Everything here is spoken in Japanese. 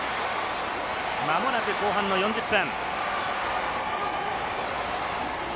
まもなく後半の４０分。